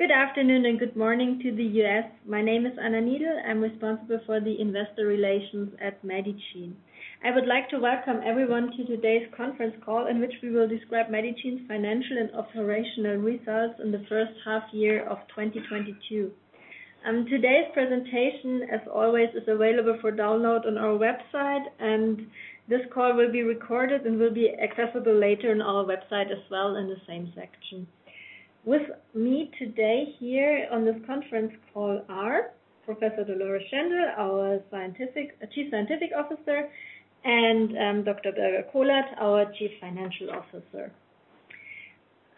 Good afternoon and good morning to the U.S. My name is Anna Niedl. I'm responsible for the investor relations at Medigene. I would like to welcome everyone to today's conference call in which we will describe Medigene's financial and operational results in the first half year of 2022. Today's presentation, as always, is available for download on our website, and this call will be recorded and will be accessible later on our website as well in the same section. With me today here on this conference call are Professor Dolores J. Schendel, our Chief Scientific Officer, and Dr. Birger Kohlert, our Chief Financial Officer.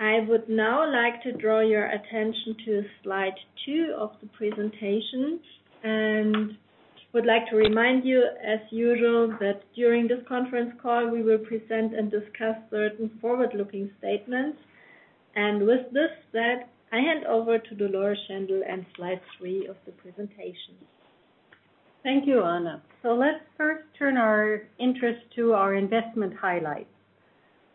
I would now like to draw your attention to slide 2 of the presentation, and would like to remind you, as usual, that during this conference call we will present and discuss certain forward-looking statements. With this said, I hand over to Dolores J. Schendel and slide 3 of the presentation. Thank you, Anna. Let's first turn our interest to our investment highlights.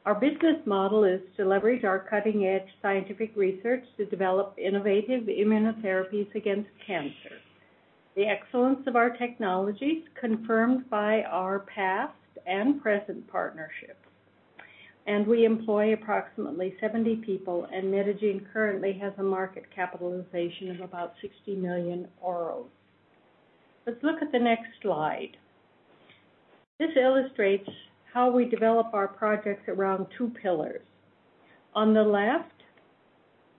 Our business model is to leverage our cutting-edge scientific research to develop innovative immunotherapies against cancer. The excellence of our technology is confirmed by our past and present partnerships, and we employ approximately 70 people, and Medigene currently has a market capitalization of about 60 million euros. Let's look at the next slide. This illustrates how we develop our projects around two pillars. On the left,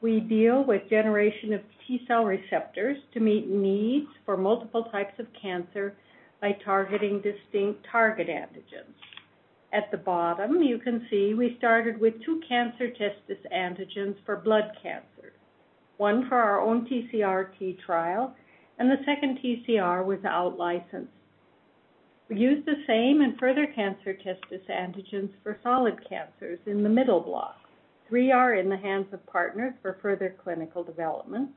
we deal with generation of T-cell receptors to meet needs for multiple types of cancer by targeting distinct target antigens. At the bottom, you can see we started with two cancer testis antigens for blood cancer, one for our own TCRT trial and the second TCR was out licensed. We use the same and further cancer testis antigens for solid cancers in the middle block. Three are in the hands of partners for further clinical development.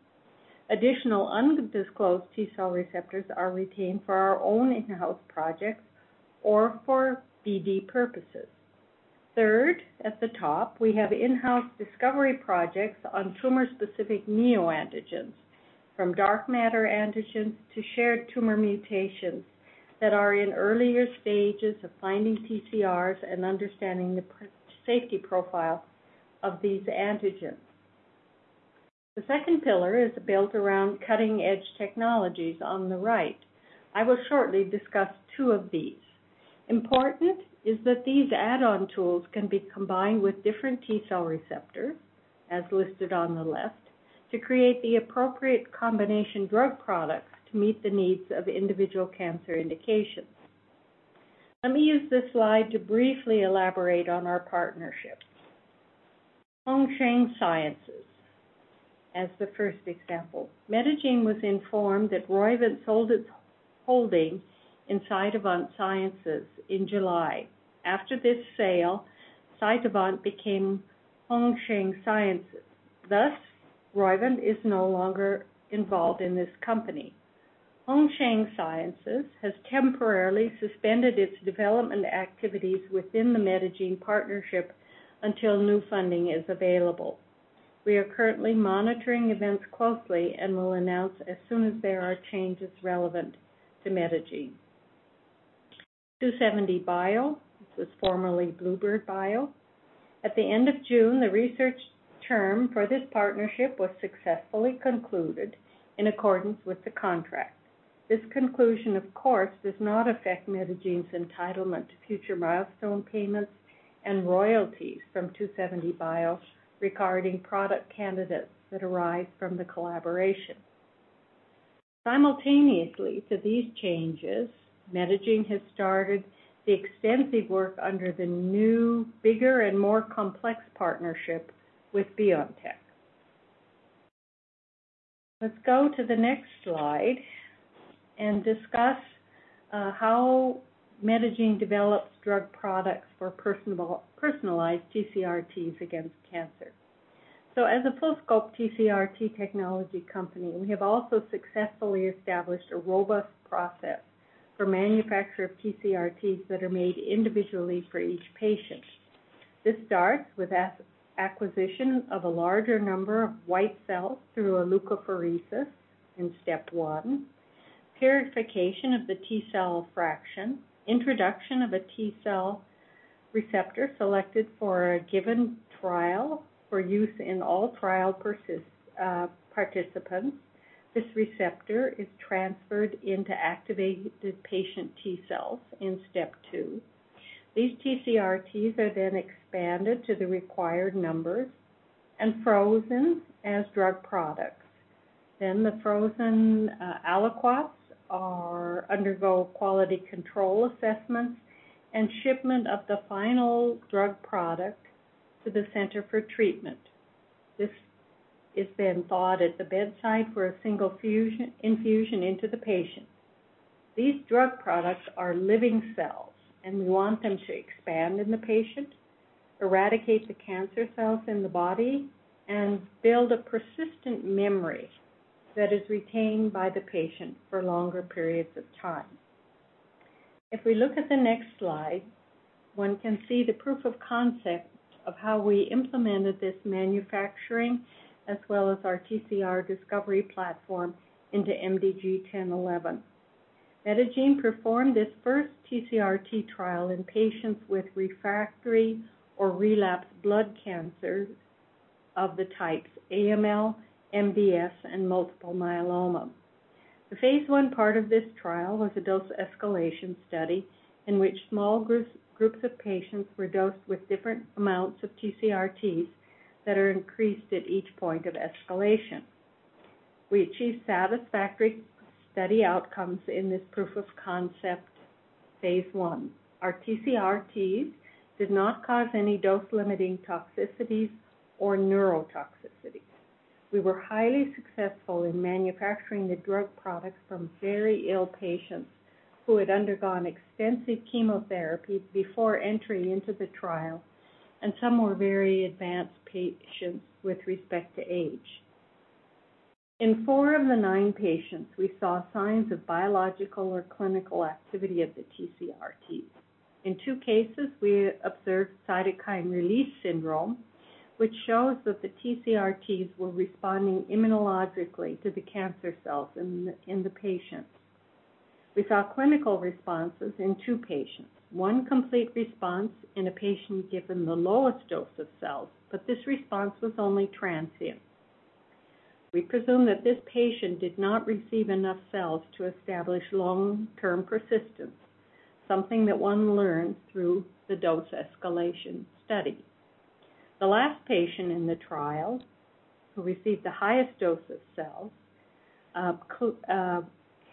Additional undisclosed T-cell receptors are retained for our own in-house projects or for BD purposes. Third, at the top, we have in-house discovery projects on tumor-specific neoantigens from dark matter antigens to shared tumor mutations that are in earlier stages of finding TCRs and understanding the safety profile of these antigens. The second pillar is built around cutting-edge technologies on the right. I will shortly discuss two of these. Important is that these add-on tools can be combined with different T-cell receptors, as listed on the left, to create the appropriate combination drug products to meet the needs of individual cancer indications. Let me use this slide to briefly elaborate on our partnerships. Hongsheng Sciences as the first example. Medigene was informed that Roivant Sciences sold its holding in Cytovant Sciences in July. After this sale, Cytovant became Hongsheng Sciences. Thus, Roivant is no longer involved in this company. Hongsheng Sciences has temporarily suspended its development activities within the Medigene partnership until new funding is available. We are currently monitoring events closely and will announce as soon as there are changes relevant to Medigene. 2seventy bio, this was formerly bluebird bio. At the end of June, the research term for this partnership was successfully concluded in accordance with the contract. This conclusion, of course, does not affect Medigene's entitlement to future milestone payments and royalties from 2seventy bio regarding product candidates that arise from the collaboration. Simultaneously to these changes, Medigene has started the extensive work under the new, bigger, and more complex partnership with BioNTech. Let's go to the next slide and discuss how Medigene develops drug products for personalized TCR-Ts against cancer. As a full-scope TCRT technology company, we have also successfully established a robust process for manufacture of TCRTs that are made individually for each patient. This starts with acquisition of a larger number of white cells through a leukapheresis in step one, purification of the T-cell fraction, introduction of a T-cell receptor selected for a given trial for use in all trial participants. This receptor is transferred into activated patient T-cells in step two. These TCRTs are then expanded to the required numbers and frozen as drug products. The frozen aliquots undergo quality control assessments and shipment of the final drug product to the center for treatment. This is then thawed at the bedside for a single infusion into the patient. These drug products are living cells, and we want them to expand in the patient, eradicate the cancer cells in the body, and build a persistent memory that is retained by the patient for longer periods of time. If we look at the next slide, one can see the proof of concept of how we implemented this manufacturing, as well as our TCR discovery platform into MDG1011. Medigene performed this first TCRT trial in patients with refractory or relapsed blood cancers of the types AML, MDS, and multiple myeloma. The phase 1 part of this trial was a dose escalation study in which small groups of patients were dosed with different amounts of TCRTs that are increased at each point of escalation. We achieved satisfactory study outcomes in this proof of concept phase I. Our TCRTs did not cause any dose-limiting toxicities or neurotoxicities. We were highly successful in manufacturing the drug products from very ill patients who had undergone extensive chemotherapy before entering into the trial, and some were very advanced patients with respect to age. In four of the nine patients, we saw signs of biological or clinical activity of the TCRT. In two cases, we observed cytokine release syndrome, which shows that the TCRTs were responding immunologically to the cancer cells in the patients. We saw clinical responses in two patients, one complete response in a patient given the lowest dose of cells, but this response was only transient. We presume that this patient did not receive enough cells to establish long-term persistence, something that one learns through the dose escalation study. The last patient in the trial, who received the highest dose of cells,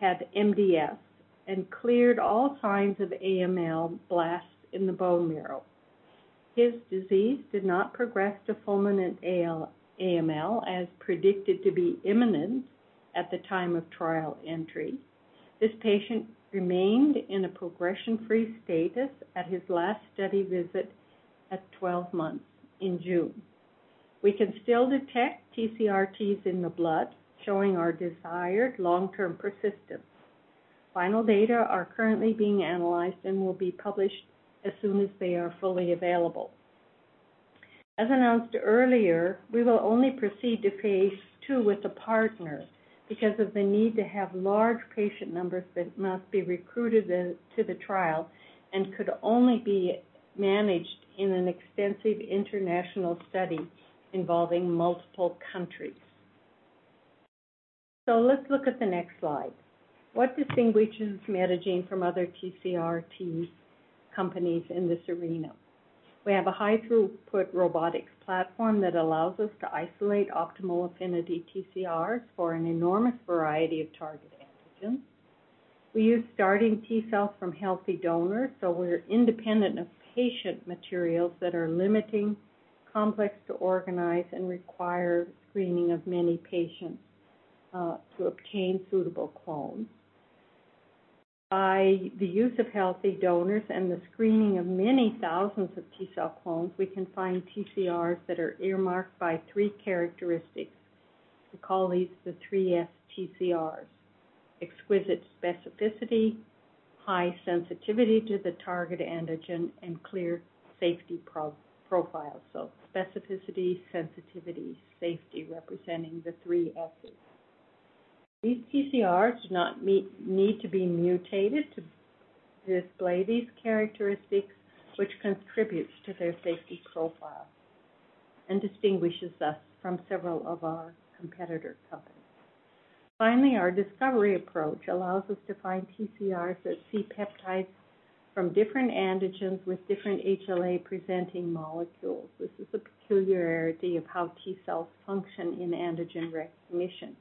had MDS and cleared all signs of AML blasts in the bone marrow. His disease did not progress to fulminant AML, as predicted to be imminent at the time of trial entry. This patient remained in a progression-free status at his last study visit at 12 months in June. We can still detect TCRTs in the blood, showing our desired long-term persistence. Final data are currently being analyzed and will be published as soon as they are fully available. As announced earlier, we will only proceed to phase II with a partner because of the need to have large patient numbers that must be recruited into the trial and could only be managed in an extensive international study involving multiple countries. Let's look at the next slide. What distinguishes Medigene from other TCR-T companies in this arena? We have a high throughput robotics platform that allows us to isolate optimal affinity TCRs for an enormous variety of target antigens. We use starting T-cells from healthy donors, so we're independent of patient materials that are limiting, complex to organize, and require screening of many patients to obtain suitable clones. By the use of healthy donors and the screening of many thousands of T-cell clones, we can find TCRs that are earmarked by three characteristics. We call these the 3S TCRs, exquisite specificity, high sensitivity to the target antigen, and clear safety profile, so specificity, sensitivity, safety, representing the 3S's. These TCRs do not need to be mutated to display these characteristics, which contributes to their safety profile and distinguishes us from several of our competitor companies. Finally, our discovery approach allows us to find TCRs that see peptides from different antigens with different HLA-presenting molecules. This is a peculiarity of how T-cells function in antigen recognition.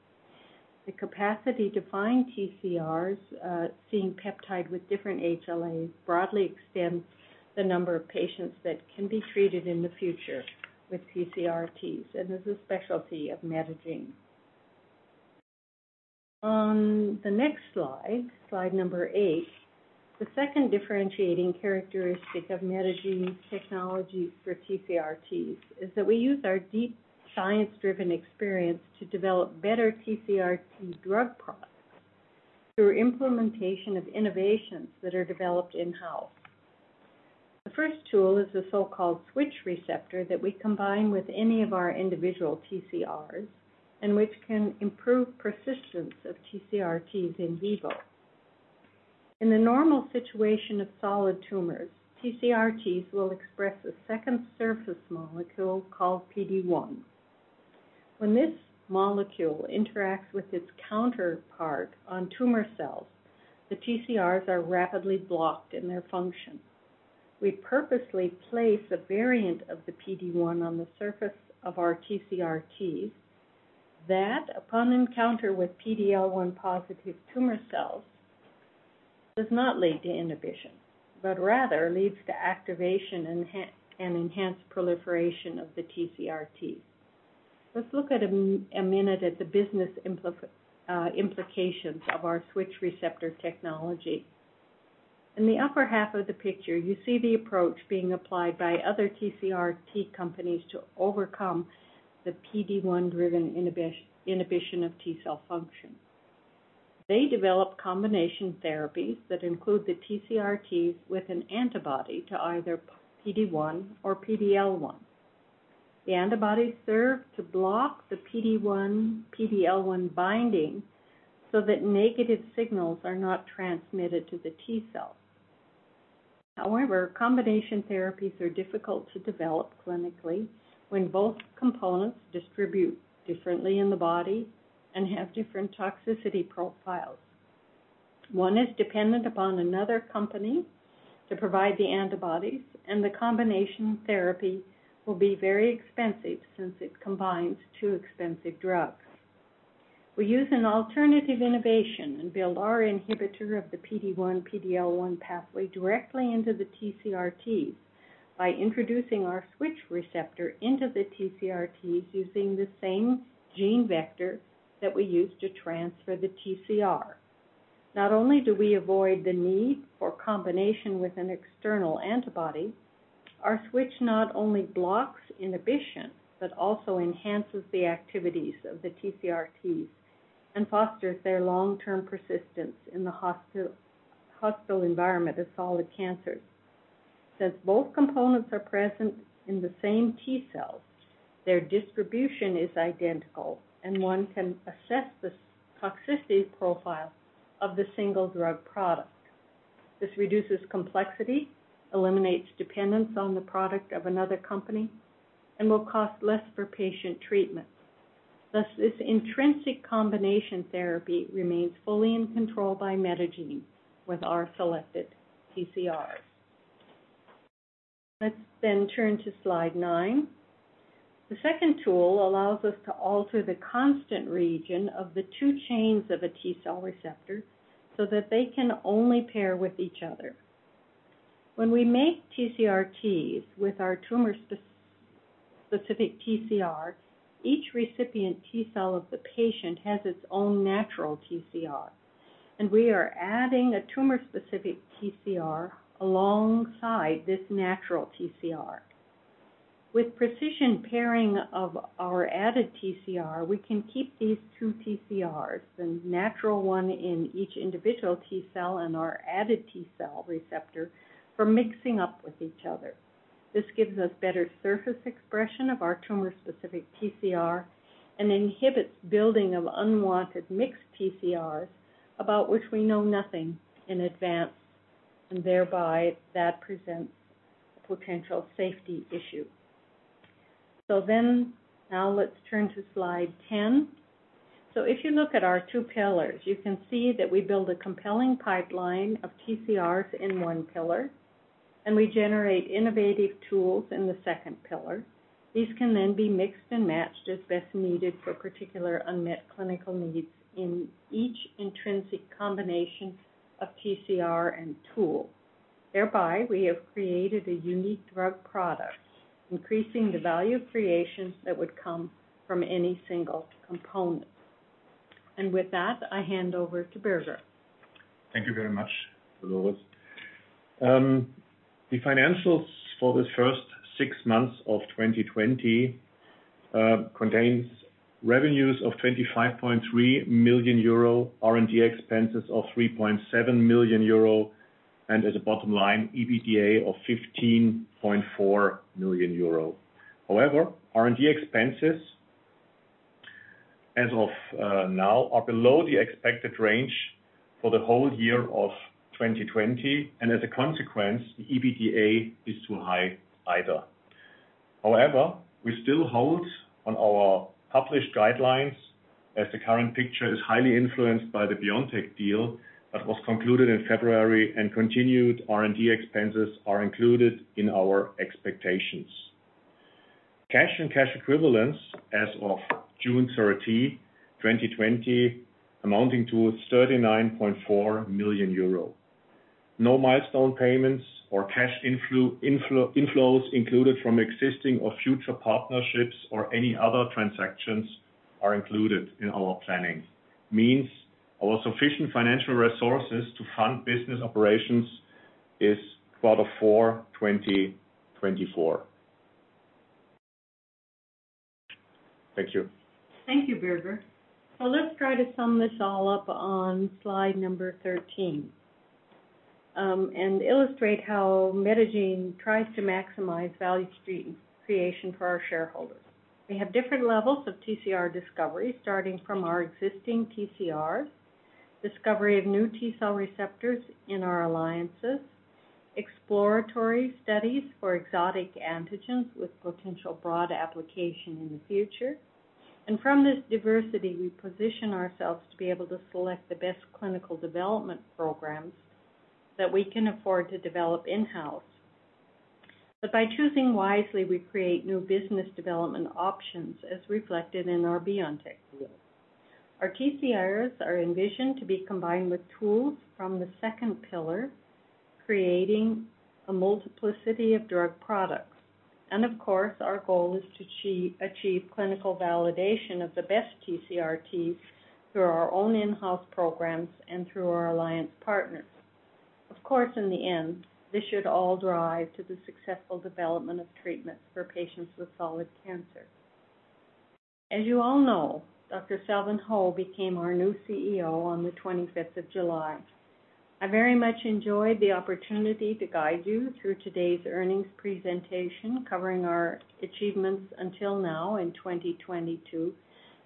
The capacity to find TCRs seeing peptide with different HLAs broadly extends the number of patients that can be treated in the future with TCRTs, and this is a specialty of Medigene. On the next slide number 8, the second differentiating characteristic of Medigene's technology for TCRTs is that we use our deep science-driven experience to develop better TCRT drug products through implementation of innovations that are developed in-house. The first tool is the so-called switch receptor that we combine with any of our individual TCRs and which can improve persistence of TCRTs in vivo. In the normal situation of solid tumors, TCRTs will express a second surface molecule called PD-1. When this molecule interacts with its counterpart on tumor cells, the TCRs are rapidly blocked in their function. We purposely place a variant of the PD-1 on the surface of our TCRTs that, upon encounter with PD-L1 positive tumor cells, does not lead to inhibition, but rather leads to activation and enhanced proliferation of the TCRT. Let's look at a minute at the business implications of our switch receptor technology. In the upper half of the picture, you see the approach being applied by other TCRT companies to overcome the PD-1 driven inhibition of T-cell function. They develop combination therapies that include the TCRTs with an antibody to either PD-1 or PD-L1. The antibodies serve to block the PD-1, PD-L1 binding so that negative signals are not transmitted to the T cell. However, combination therapies are difficult to develop clinically when both components distribute differently in the body and have different toxicity profiles. One is dependent upon another company to provide the antibodies, and the combination therapy will be very expensive since it combines two expensive drugs. We use an alternative innovation and build our inhibitor of the PD-1, PD-L1 pathway directly into the TCRTs by introducing our switch receptor into the TCRTs using the same gene vector that we use to transfer the TCR. Not only do we avoid the need for combination with an external antibody, our switch not only blocks inhibition, but also enhances the activities of the TCRTs and fosters their long-term persistence in the hostile environment of solid cancers. Since both components are present in the same T cells, their distribution is identical and one can assess the toxicity profile of the single drug product. This reduces complexity, eliminates dependence on the product of another company, and will cost less for patient treatment. Thus, this intrinsic combination therapy remains fully in control by Medigene with our selected TCRs. Let's then turn to slide 9. The second tool allows us to alter the constant region of the two chains of a T-cell receptor, so that they can only pair with each other. When we make TCRTs with our tumor-specific TCR, each recipient T-cell of the patient has its own natural TCR, and we are adding a tumor-specific TCR alongside this natural TCR. With precision pairing of our added TCR, we can keep these two TCRs, the natural one in each individual T-cell and our added T-cell receptor, from mixing up with each other. This gives us better surface expression of our tumor-specific TCR and inhibits building of unwanted mixed TCRs about which we know nothing in advance, and thereby that presents a potential safety issue. Now let's turn to slide 10. If you look at our two pillars, you can see that we build a compelling pipeline of TCRs in one pillar, and we generate innovative tools in the second pillar. These can then be mixed and matched as best needed for particular unmet clinical needs in each intrinsic combination of TCR and tool. Thereby, we have created a unique drug product, increasing the value of creation that would come from any single component. With that, I hand over to Birger. Thank you very much, Dolores. The financials for the first six months of 2020 contain revenues of 25.3 million euro, R&D expenses of 3.7 million euro, and as a bottom line, EBITDA of 15.4 million euro. However, R&D expenses as of now are below the expected range for the whole year of 2020, and as a consequence, the EBITDA is too high either. However, we still hold on our published guidelines, as the current picture is highly influenced by the BioNTech deal that was concluded in February and continued R&D expenses are included in our expectations. Cash and cash equivalents as of June 30, 2020 amounting to 39.4 million euro. No milestone payments or cash inflows included from existing or future partnerships or any other transactions are included in our planning. Meaning our sufficient financial resources to fund business operations is quarter four, 2024. Thank you. Thank you, Birger. Let's try to sum this all up on slide number 13, and illustrate how Medigene tries to maximize value creation for our shareholders. We have different levels of TCR discovery, starting from our existing TCRs, discovery of new T-cell receptors in our alliances, exploratory studies for exotic antigens with potential broad application in the future. From this diversity, we position ourselves to be able to select the best clinical development programs that we can afford to develop in-house. By choosing wisely, we create new business development options as reflected in our BioNTech deal. Our TCRs are envisioned to be combined with tools from the second pillar, creating a multiplicity of drug products. Our goal is to achieve clinical validation of the best TCRTs through our own in-house programs and through our alliance partners. Of course, in the end, this should all drive to the successful development of treatments for patients with solid cancer. As you all know, Dr. Selwyn Ho became our new CEO on the 25th of July. I very much enjoyed the opportunity to guide you through today's earnings presentation, covering our achievements until now in 2022,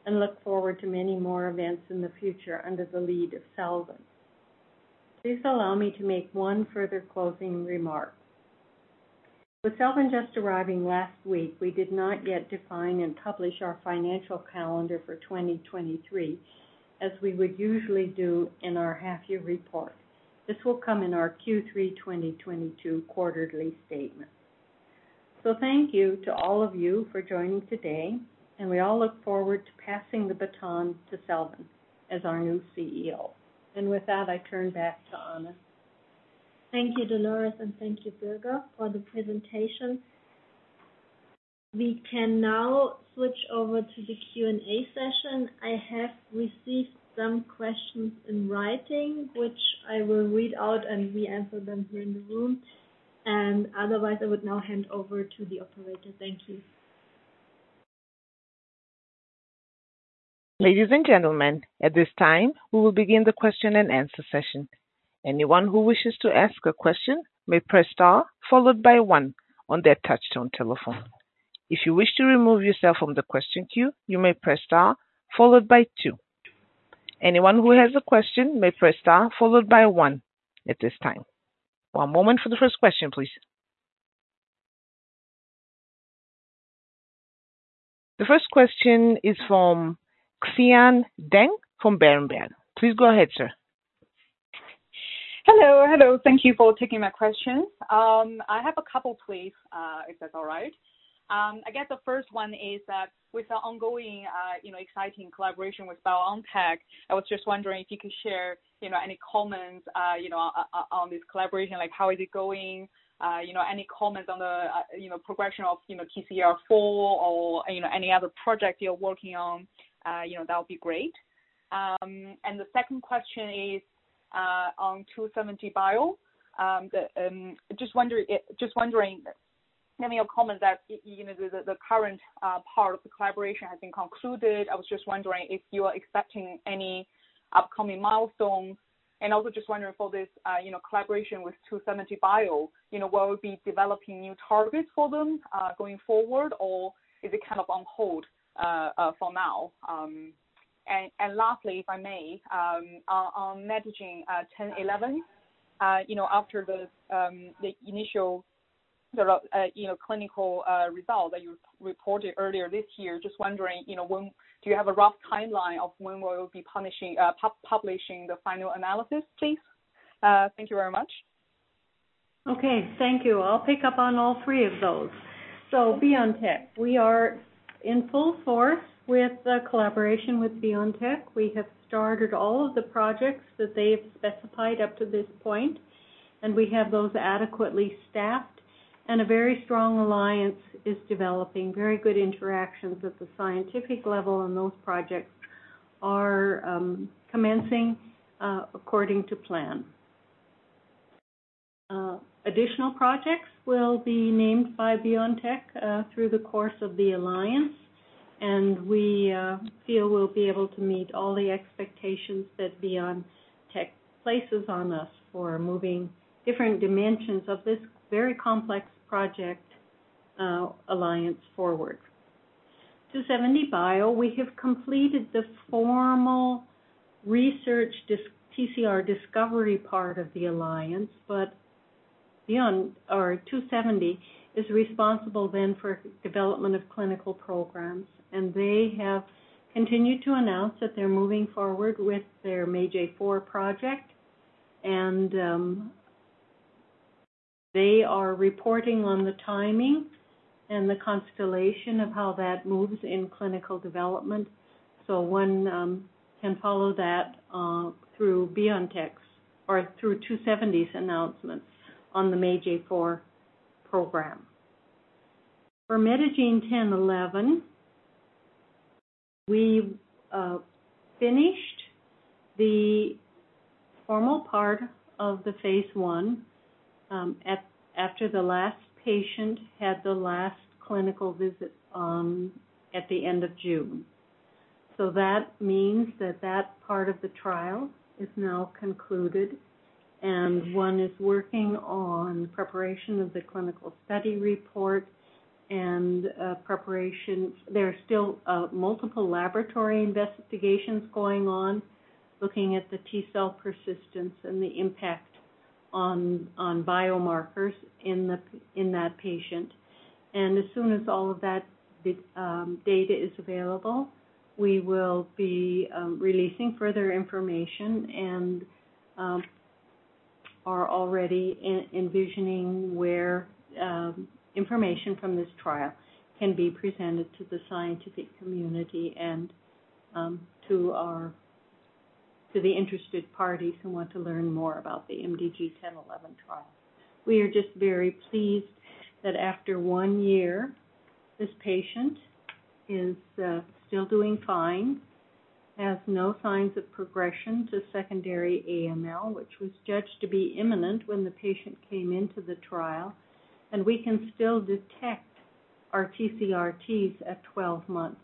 and look forward to many more events in the future under the lead of Selwyn. Please allow me to make one further closing remark. With Selwyn just arriving last week, we did not yet define and publish our financial calendar for 2023, as we would usually do in our half year report. This will come in our Q3 2022 quarterly statement. Thank you to all of you for joining today, and we all look forward to passing the baton to Selwyn Ho as our new CEO. With that, I turn back to Anna. Thank you, Dolores, and thank you, Birger, for the presentation. We can now switch over to the Q&A session. I have received some questions in writing, which I will read out, and we answer them here in the room. Otherwise, I would now hand over to the operator. Thank you. Ladies and gentlemen, at this time, we will begin the question and answer session. Anyone who wishes to ask a question may press star followed by one on their touchtone telephone. If you wish to remove yourself from the question queue, you may press star followed by two. Anyone who has a question may press star followed by one at this time. One moment for the first question, please. The first question is from Xian Deng from Berenberg. Please go ahead, sir. Hello. Thank you for taking my questions. I have a couple, please, if that's all right. I guess the first one is that with the ongoing, you know, exciting collaboration with BioNTech, I was just wondering if you could share, you know, any comments, you know, on this collaboration, like how is it going? You know, any comments on the, you know, progression of, you know, TCR four or, you know, any other project you're working on, you know, that would be great. The second question is on 2seventy bio. Just wondering, I mean, your comment that, you know, the current part of the collaboration has been concluded. I was just wondering if you are expecting any upcoming milestones. Also just wondering for this, you know, collaboration with 2seventy bio, you know, will we be developing new targets for them, going forward, or is it kind of on hold, for now? And lastly, if I may, on Medigene MDG1011, you know, after the initial sort of, you know, clinical result that you reported earlier this year, just wondering, you know, when do you have a rough timeline of when we'll be publishing the final analysis, please? Thank you very much. Okay, thank you. I'll pick up on all three of those. BioNTech, we are in full force with the collaboration with BioNTech. We have started all of the projects that they've specified up to this point, and we have those adequately staffed. A very strong alliance is developing, very good interactions at the scientific level, and those projects are commencing according to plan. Additional projects will be named by BioNTech through the course of the alliance, and we feel we'll be able to meet all the expectations that BioNTech places on us for moving different dimensions of this very complex project alliance forward. 2seventy bio, we have completed the formal research TCR discovery part of the alliance, but beyond... 2seventy bio is responsible then for development of clinical programs, and they have continued to announce that they're moving forward with their MAGE-A4 project. They are reporting on the timing and the constellation of how that moves in clinical development. One can follow that through BioNTech's or through 2seventy bio's announcements on the MAGE-A4 program. For MDG1011, we've finished the formal part of the phase I after the last patient had the last clinical visit at the end of June. That means that part of the trial is now concluded, and one is working on preparation of the clinical study report and preparation. There are still multiple laboratory investigations going on, looking at the T-cell persistence and the impact on biomarkers in that patient. As soon as all of that data is available, we will be releasing further information and are already envisioning where information from this trial can be presented to the scientific community and to our, to the interested parties who want to learn more about the MDG1011 trial. We are just very pleased that after 1 year, this patient is still doing fine. Has no signs of progression to secondary AML, which was judged to be imminent when the patient came into the trial, and we can still detect our TCRTs at 12 months.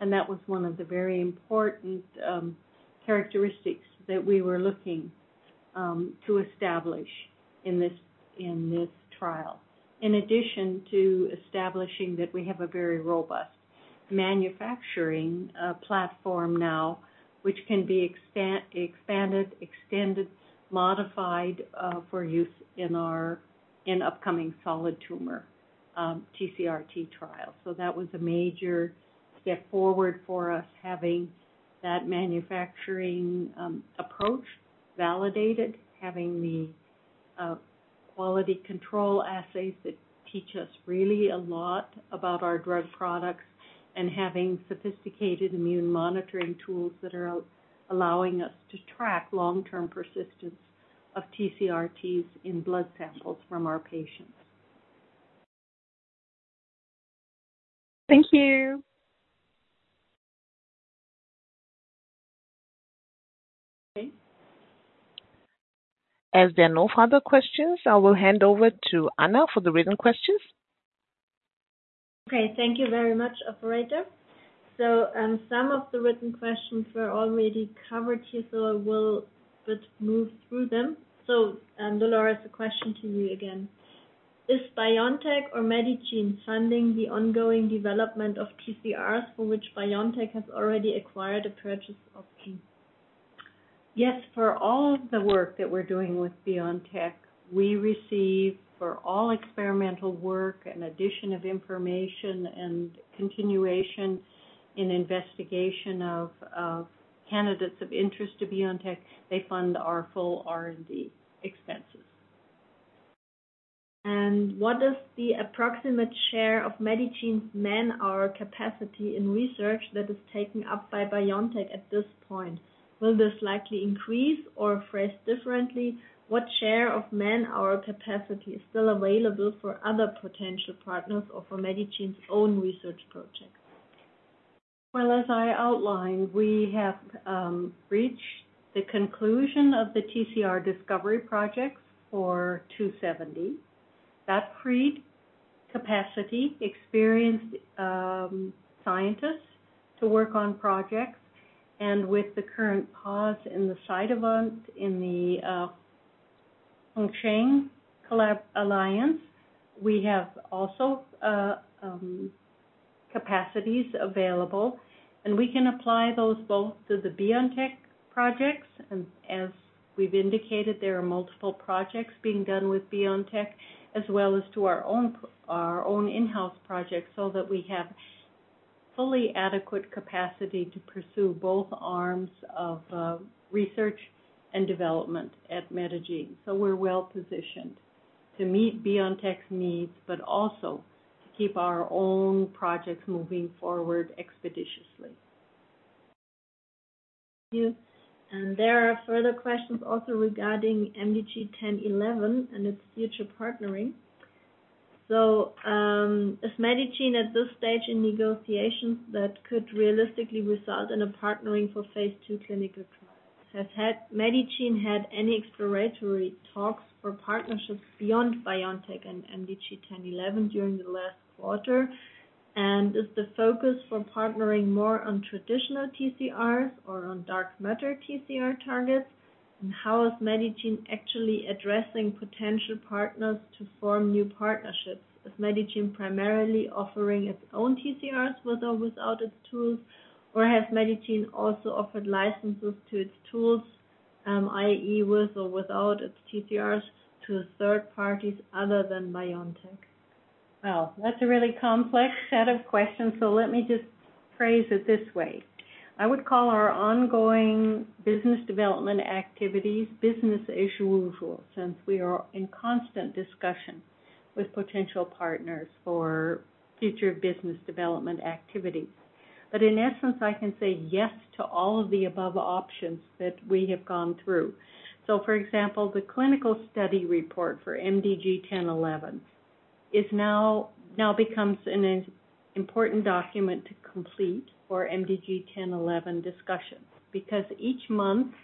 That was one of the very important characteristics that we were looking to establish in this, in this trial. In addition to establishing that we have a very robust manufacturing platform now, which can be expanded, extended, modified, for use in our upcoming solid tumor TCRT trial. That was a major step forward for us, having that manufacturing approach validated, having the quality control assays that teach us really a lot about our drug products, and having sophisticated immune monitoring tools that are allowing us to track long-term persistence of TCRTs in blood samples from our patients. Thank you. Okay. As there are no further questions, I will hand over to Anna for the written questions. Okay, thank you very much, operator. Some of the written questions were already covered here, so I will now move through them. Dolores, a question to you again. Is BioNTech or Medigene funding the ongoing development of TCRs for which BioNTech has already acquired a purchase option? Yes, for all of the work that we're doing with BioNTech, we receive for all experimental work an addition of information and continuation in investigation of candidates of interest to BioNTech. They fund our full R&D expenses. What is the approximate share of Medigene's man hour capacity in research that is taken up by BioNTech at this point? Will this likely increase, or phrased differently, what share of man hour capacity is still available for other potential partners or for Medigene's own research projects? Well, as I outlined, we have reached the conclusion of the TCR discovery projects for 2seventy bio. That freed capacity, experienced scientists to work on projects. With the current pause in the Cytovant in the Hongsheng collaboration alliance, we have also capacities available, and we can apply those both to the BioNTech projects, and as we've indicated, there are multiple projects being done with BioNTech, as well as to our own in-house projects, so that we have fully adequate capacity to pursue both arms of research and development at Medigene. We're well-positioned to meet BioNTech's needs, but also to keep our own projects moving forward expeditiously. Thank you. There are further questions also regarding MDG 1011 and its future partnering. Is Medigene at this stage in negotiations that could realistically result in a partnering for phase II clinical trials? Medigene had any exploratory talks for partnerships beyond BioNTech and MDG 1011 during the last quarter? Is the focus for partnering more on traditional TCRs or on dark matter TCR targets? How is Medigene actually addressing potential partners to form new partnerships? Is Medigene primarily offering its own TCRs with or without its tools, or has Medigene also offered licenses to its tools, i.e., with or without its TCRs, to third parties other than BioNTech? Well, that's a really complex set of questions, so let me just phrase it this way. I would call our ongoing business development activities business as usual, since we are in constant discussion with potential partners for future business development activities. In essence, I can say yes to all of the above options that we have gone through. For example, the clinical study report for MDG1011 is now an important document to complete for MDG1011 discussions. Because each month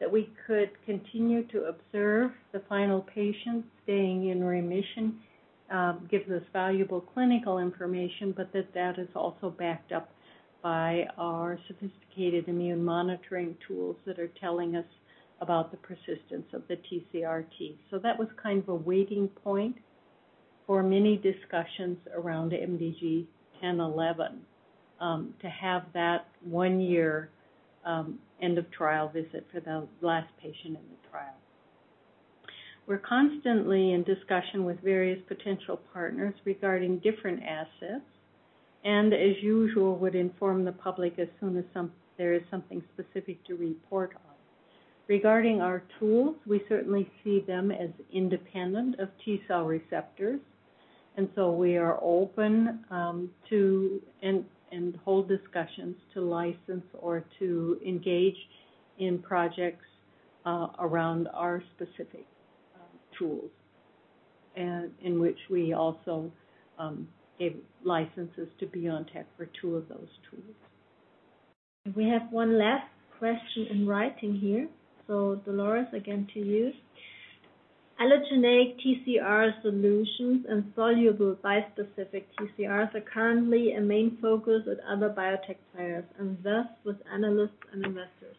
that we could continue to observe the final patient staying in remission gives us valuable clinical information, but that is also backed up by our sophisticated immune monitoring tools that are telling us about the persistence of the TCRT. That was kind of a waiting point for many discussions around MDG 1011, to have that one year end of trial visit for the last patient in the trial. We're constantly in discussion with various potential partners regarding different assets, and as usual, would inform the public as soon as there is something specific to report on. Regarding our tools, we certainly see them as independent of T-cell receptors, and so we are open to and hold discussions to license or to engage in projects around our specific tools. In which we also gave licenses to BioNTech for two of those tools. We have one last question in writing here. Dolores, again to you. Allogeneic TCR solutions and soluble bispecific TCRs are currently a main focus with other biotech players and thus with analysts and investors.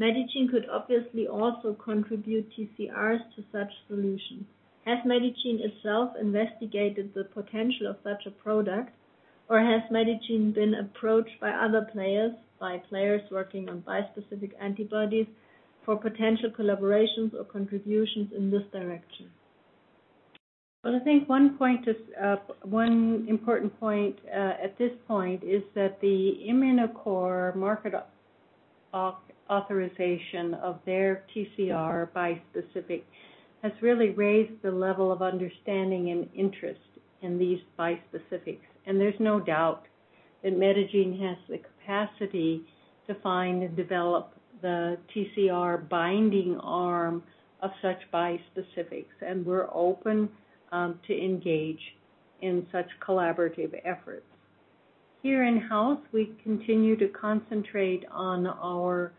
Medigene could obviously also contribute TCRs to such solutions. Has Medigene itself investigated the potential of such a product, or has Medigene been approached by other players, by players working on bispecific antibodies for potential collaborations or contributions in this direction? Well, I think one important point at this point is that the Immunocore market authorization of their TCR bispecific has really raised the level of understanding and interest in these bispecifics. There's no doubt that Medigene has the capacity to find and develop the TCR binding arm of such bispecifics, and we're open to engage in such collaborative efforts. Here in-house, we continue to concentrate on our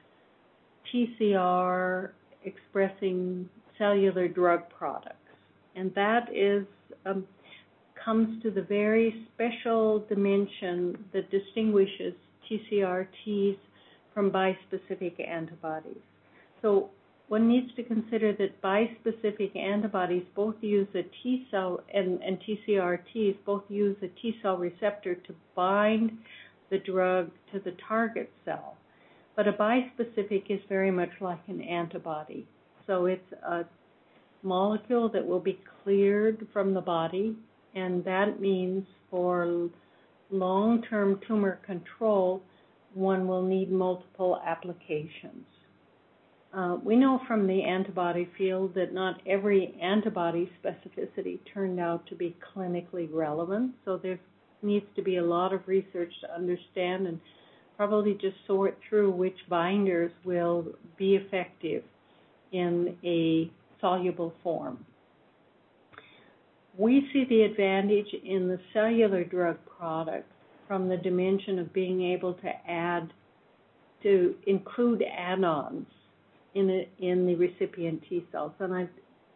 TCR expressing cellular drug products. That comes to the very special dimension that distinguishes TCRTs from bispecific antibodies. One needs to consider that bispecific antibodies both use a T cell and TCRTs both use a T cell receptor to bind the drug to the target cell. A bispecific is very much like an antibody, so it's a molecule that will be cleared from the body, and that means for long-term tumor control, one will need multiple applications. We know from the antibody field that not every antibody specificity turned out to be clinically relevant, so there needs to be a lot of research to understand and probably just sort through which binders will be effective in a soluble form. We see the advantage in the cellular drug products from the dimension of being able to include add-ons in the recipient T cells.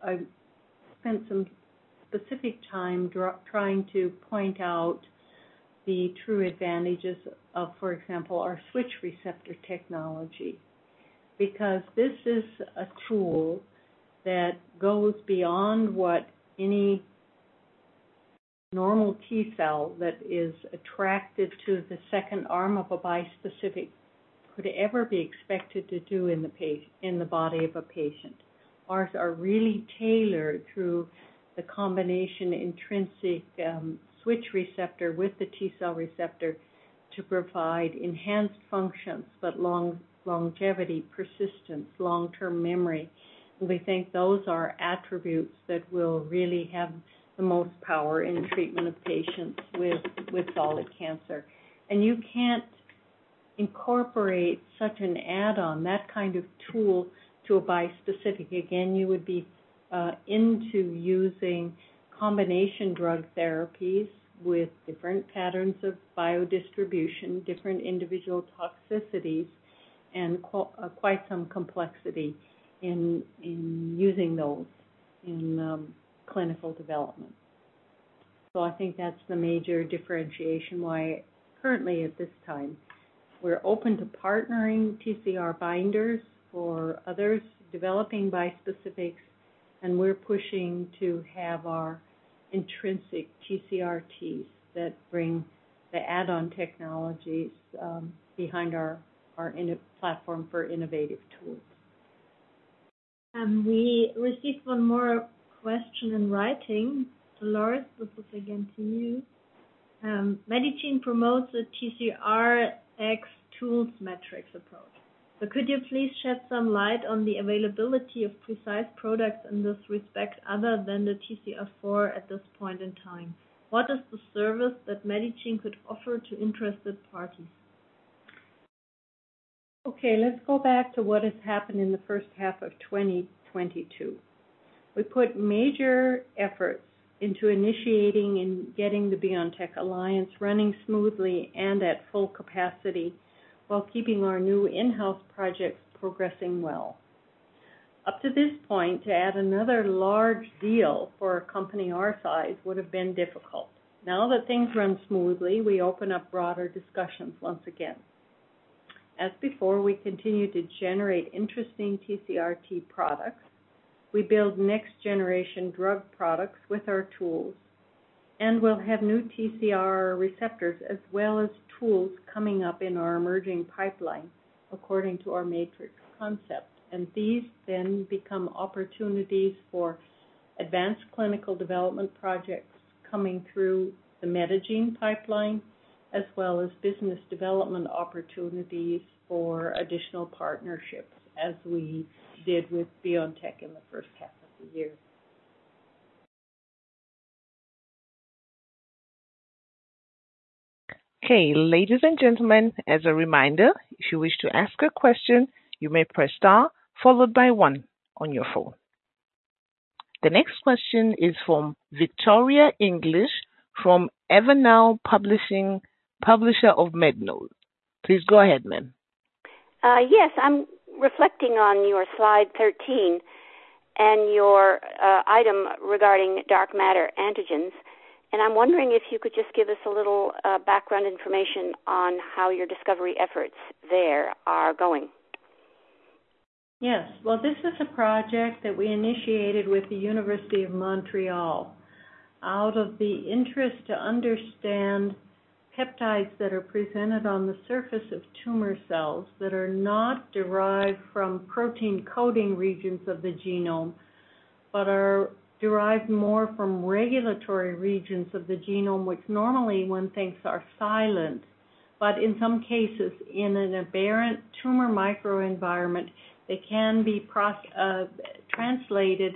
I've spent some specific time trying to point out the true advantages of, for example, our switch receptor technology, because this is a tool that goes beyond what any normal T cell that is attracted to the second arm of a bispecific could ever be expected to do in the body of a patient. Ours are really tailored through the combination intrinsic switch receptor with the T-cell receptor to provide enhanced functions, but longevity, persistence, long-term memory. We think those are attributes that will really have the most power in treatment of patients with solid cancer. You can't incorporate such an add-on, that kind of tool, to a bispecific. Again, you would be into using combination drug therapies with different patterns of biodistribution, different individual toxicities, and quite some complexity in using those in clinical development. I think that's the major differentiation why currently at this time, we're open to partnering TCR binders for others, developing bispecifics, and we're pushing to have our intrinsic TCRTs that bring the add-on technologies behind our platform for innovative tools. We received one more question in writing. Dolores, this is again to you. Medigene promotes a TCR 3S tools metrics approach. Could you please shed some light on the availability of precise products in this respect other than the TCR-4 at this point in time? What is the service that Medigene could offer to interested parties? Okay, let's go back to what has happened in the first half of 2022. We put major efforts into initiating and getting the BioNTech alliance running smoothly and at full capacity while keeping our new in-house projects progressing well. Up to this point, to add another large deal for a company our size would have been difficult. Now that things run smoothly, we open up broader discussions once again. As before, we continue to generate interesting TCRT products. We build next generation drug products with our tools, and we'll have new TCR receptors as well as tools coming up in our emerging pipeline according to our matrix concept. These then become opportunities for advanced clinical development projects coming through the Medigene pipeline, as well as business development opportunities for additional partnerships, as we did with BioNTech in the first half of the year. Okay, ladies and gentlemen, as a reminder, if you wish to ask a question, you may press star followed by one on your phone. The next question is from Victoria English from Evernow Publishing, publisher of MedNous. Please go ahead, ma'am. Yes. I'm reflecting on your slide 13 and your item regarding dark matter antigens. I'm wondering if you could just give us a little background information on how your discovery efforts there are going. Yes. Well, this is a project that we initiated with the Université de Montréal out of the interest to understand peptides that are presented on the surface of tumor cells that are not derived from protein coding regions of the genome, but are derived more from regulatory regions of the genome, which normally one thinks are silent. In some cases, in an aberrant tumor microenvironment, they can be translated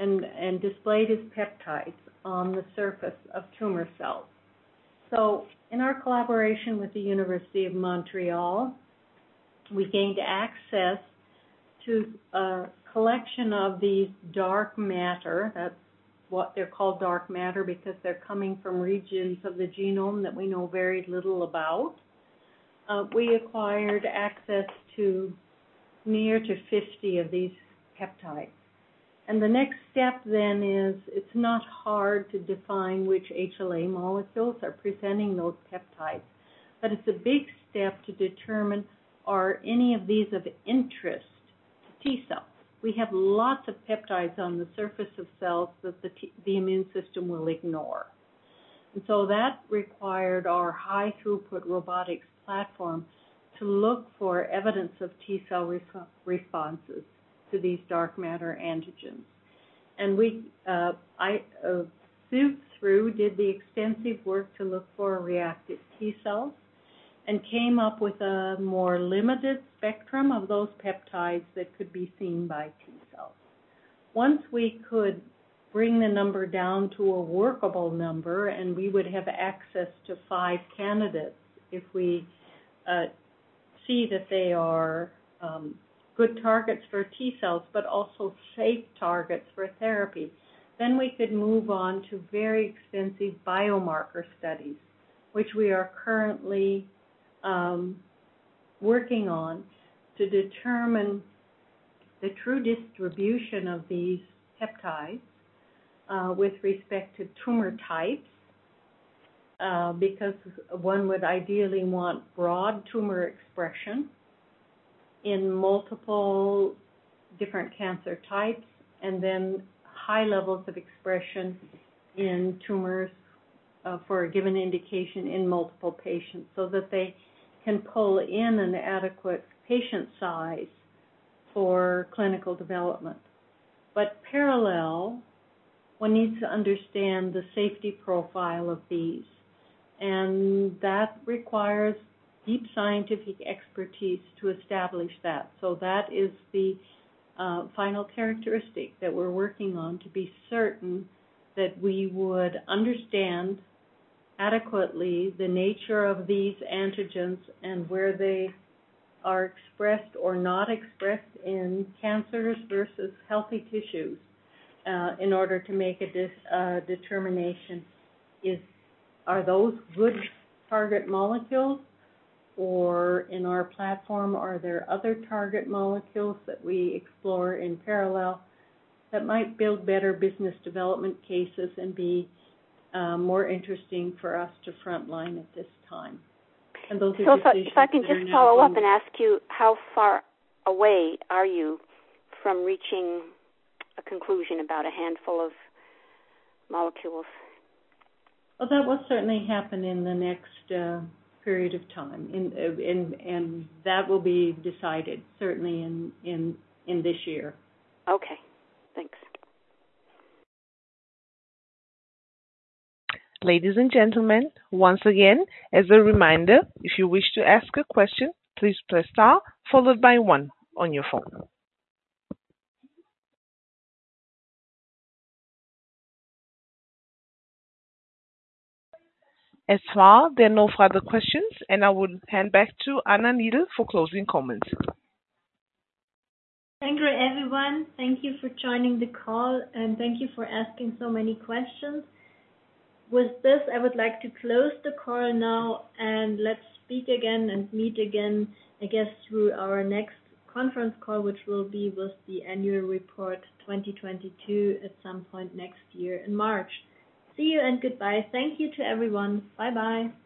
and displayed as peptides on the surface of tumor cells. In our collaboration with the Université de Montréal, we gained access to a collection of these dark matter. That's what they're called dark matter, because they're coming from regions of the genome that we know very little about. We acquired access to near to 50 of these peptides. The next step is it's not hard to define which HLA molecules are presenting those peptides, but it's a big step to determine, are any of these of interest to T-cells? We have lots of peptides on the surface of cells that the immune system will ignore. That required our high-throughput robotics platform to look for evidence of T-cell responses to these dark matter antigens. We, Shu did the extensive work to look for reactive T-cells and came up with a more limited spectrum of those peptides that could be seen by T-cells. Once we could bring the number down to a workable number, and we would have access to five candidates, if we see that they are good targets for T-cells but also safe targets for therapy, then we could move on to very extensive biomarker studies, which we are currently working on to determine the true distribution of these peptides with respect to tumor types, because one would ideally want broad tumor expression in multiple different cancer types and then high levels of expression in tumors for a given indication in multiple patients so that they can pull in an adequate patient size for clinical development. But parallel, one needs to understand the safety profile of these, and that requires deep scientific expertise to establish that. That is the final characteristic that we're working on to be certain that we would understand adequately the nature of these antigens and where they are expressed or not expressed in cancers versus healthy tissues, in order to make a determination. Are those good target molecules or in our platform, are there other target molecules that we explore in parallel that might build better business development cases and be more interesting for us to frontline at this time? Those are decisions we are now- If I can just follow up and ask you, how far away are you from reaching a conclusion about a handful of molecules? Well, that will certainly happen in the next period of time. That will be decided certainly in this year. Okay, thanks. Ladies and gentlemen, once again as a reminder, if you wish to ask a question, please press star followed by one on your phone. So far, there are no further questions, and I would hand back to Anna Niedl for closing comments. Thank you, everyone. Thank you for joining the call, and thank you for asking so many questions. With this, I would like to close the call now and let's speak again and meet again, I guess, through our next conference call, which will be with the annual report 2022 at some point next year in March. See you and goodbye. Thank you to everyone. Bye-bye.